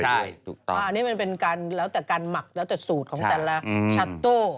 ใช่ตรงนี้เป็นการหมักสูตรของสวรรค์ตัวละ